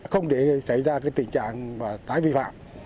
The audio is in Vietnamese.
không để xảy ra tình trạng tái vi phạm